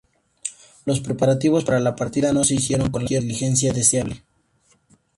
Los preparativos para la partida no se hicieron con la diligencia deseable.